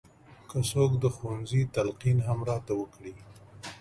که څوک د ښوونځي تلقین هم راته وکړي.